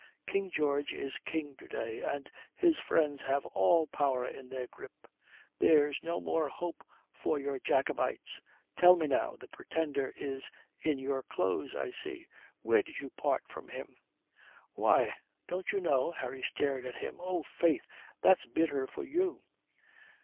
King George is king to day, and his friends have all power in their grip. There's no more hope for your Jacobites. Tell me now the Pretender is in your clothes, I see where did you part from him?" "Why, don't you know?" Harry stared at him. "Oh, faith, that's bitter for you.